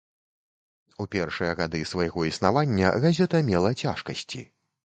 У першыя гады свайго існавання газета мела цяжкасці.